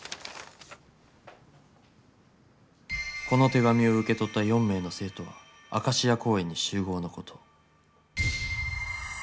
「この手紙を受け取った４名の生徒はアカシア公園に集合のこと」。